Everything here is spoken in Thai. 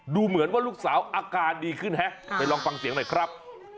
ดูเหมือนว่าลูกสาวอาการดีขึ้นฮะไปลองฟังเสียงหน่อยครับ